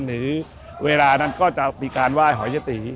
หรือเวลานั้นก็จะมีการไหว้หอยยตี